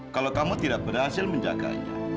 kalau kamu tidak berhasil menjaganya